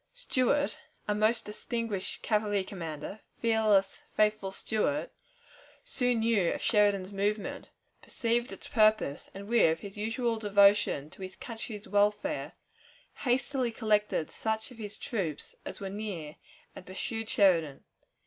Stuart, our most distinguished cavalry commander fearless, faithful Stuart soon knew of Sheridan's movement, perceived its purpose, and, with his usual devotion to his country's welfare, hastily collected such of his troops as were near, and pursued Sheridan.